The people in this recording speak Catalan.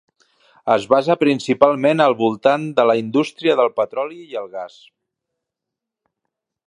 Es basa principalment al voltant de la indústria del petroli i el gas.